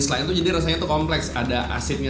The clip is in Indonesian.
selain itu lapisan crepes buat hidung